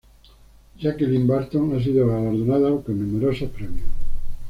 Jacqueline Barton ha sido galardonada con numerosos premios.